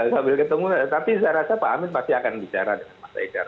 sambil ketemu tapi saya rasa pak amin pasti akan bicara dengan mas haidar